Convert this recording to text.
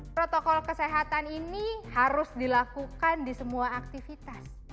protokol kesehatan ini harus dilakukan di semua aktivitas